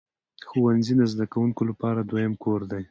ښوونځی د زده کوونکو لپاره دویم کور دی.